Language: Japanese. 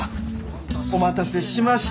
お待たせしました。